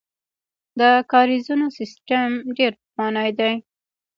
د کاریزونو سیسټم ډیر پخوانی دی